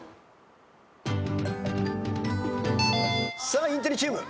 さあインテリチーム。